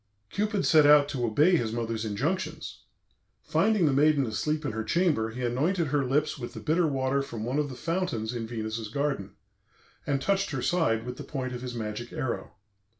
Cupid set out to obey his mother's injunctions. Finding the maiden asleep in her chamber, he anointed her lips with the bitter water from one of the fountains in Venus's garden, and touched her side with the point of his magic arrow.